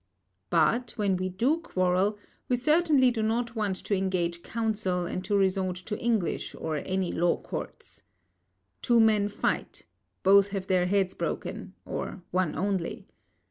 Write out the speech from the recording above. But, when we do quarrel, we certainly do not want to engage counsel and to resort to English or any law courts. Two men fight; both have their heads broken, or one only.